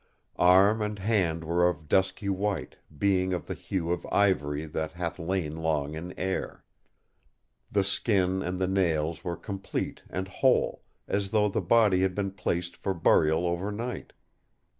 Arm and hand were of dusky white, being of the hue of ivory that hath lain long in air. The skin and the nails were complete and whole, as though the body had been placed for burial over night.